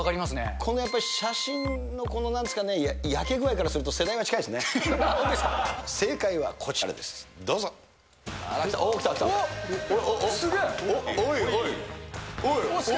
このやっぱり写真の子のなんですかね、焼け具合からすると、本当ですか。